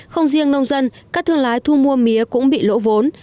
không riêng nông dân các thương lái thu mua mía cũng bị lỗ vốn